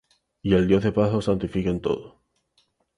Y el Dios de paz os santifique en todo;